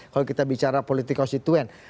kalau kita bicara politik konstituen